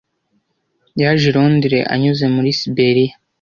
Yaje i Londres anyuze muri Siberiya.